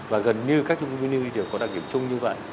và gần như các trung cư mini đều có đặc điểm chung như vậy